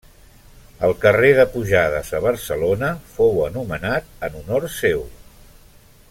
El carrer de Pujades, a Barcelona, fou anomenat en honor seu.